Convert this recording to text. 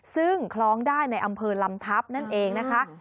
ซึ่งคล้องได้ในอำเภอลำทัพนั่นเองนะคะ